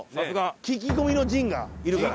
聞き込みの神がいるから。